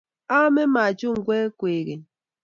aame machungwek kwekeny